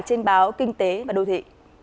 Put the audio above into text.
trên báo kinh tế và đô thị